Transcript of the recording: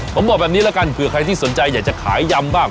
ผมบอกแบบนี้แล้วกันเผื่อใครที่สนใจอยากจะขายยำบ้าง